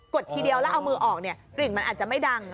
ดทีเดียวแล้วเอามือออกเนี่ยกลิ่นมันอาจจะไม่ดัง